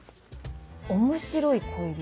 「面白い恋人」。